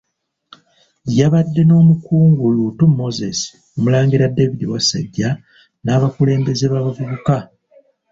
Yabadde n'Omukungu Luutu Moses, Omulangira David Kintu Wasajja n'abakulembeze b'abavubuka.